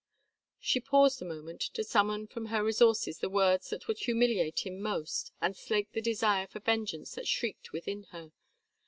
She paused a moment to summon from her resources the words that would humiliate him most and slake the desire for vengeance that shrieked within her.